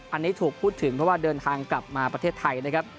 อันนี้ถูกพูดถึงเพราะว่าเดินทางกลับมาประเทศไทยนะครับ